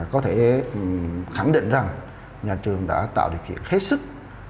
có thể khẳng định rằng nhà trường đã tạo điều kiện hết sức